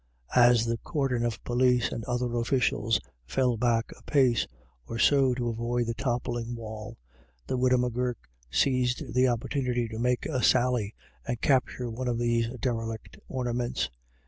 As the cordon of police and other officials fell back a pace or so to avoid the toppling wall, the widow M'Gurk seized the opportunity to make a sally and capture one of these derelict ornaments.